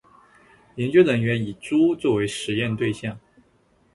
研究人员以猪作为实验对象